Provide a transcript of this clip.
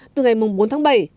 từ ngày bốn tháng bảy